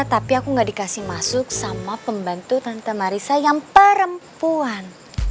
tapi aku gak dikasih masuk sama pembantu tante marisa yang perempuan